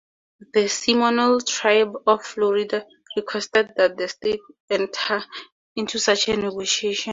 The Seminole Tribe of Florida requested that the state enter into such a negotiation.